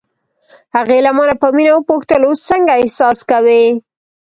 هغې له مانه په مینه وپوښتل: اوس څنګه احساس کوې؟